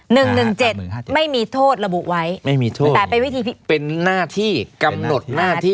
หนึ่งหนึ่งเจ็ดหนึ่งไม่มีโทษระบุไว้ไม่มีโทษแต่เป็นวิธีเป็นหน้าที่กำหนดหน้าที่